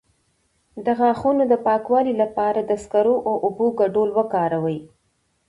د غاښونو د پاکوالي لپاره د سکرو او اوبو ګډول وکاروئ